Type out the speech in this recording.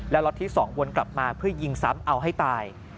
แล้วล็อตที่๒วนกลับมาเพื่อยิงซ้ำเอาให้ตาย